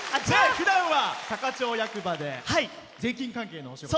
ふだんは坂町役場で税金関係のお仕事を。